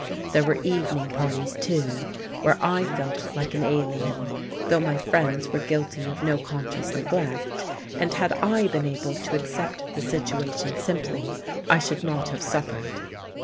There were evening parties, too, where I felt like an alien, though my friends were guilty of no conscious neglect; and had I been able to accept the situation simply, I should not have suffered.